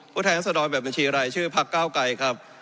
ผู้แท้สะดอยแบบบัญชีไรชื่อพักเก้าไก่ครับ